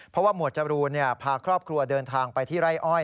เพราะว่าหมวดจรูนพาครอบครัวเดินทางไปที่ไร่อ้อย